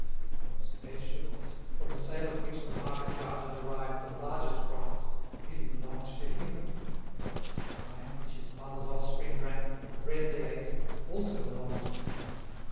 Those vegetables, from the sale of which the market gardener derived the largest profits, really belonged to him; the wine which his mother's offspring drank, the bread they ate, also belonged to him.